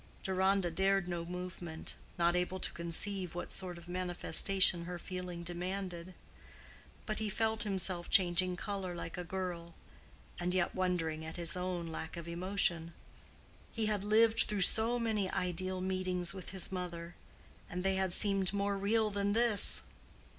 Deronda dared no movement, not able to conceive what sort of manifestation her feeling demanded; but he felt himself changing color like a girl, and yet wondering at his own lack of emotion; he had lived through so many ideal meetings with his mother, and they had seemed more real than this!